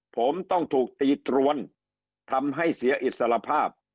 ผมต้องถูกตีตรวนทำให้เสียอิสระภาพ